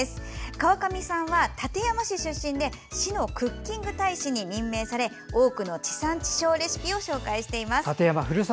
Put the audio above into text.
川上さんは、館山市出身で市のクッキング大使に任命され多くの地産地消レシピを紹介しています。